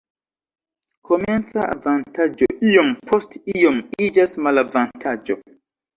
Komenca avantaĝo iom post iom iĝas malavantaĝo.